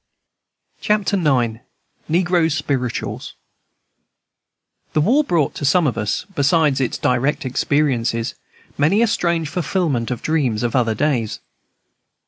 Chapter 9. Negro Spirituals The war brought to some of us, besides its direct experiences, many a strange fulfilment of dreams of other days.